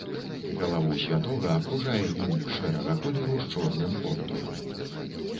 Галаву святога акружае німб шэрага колеру з чорным контурам.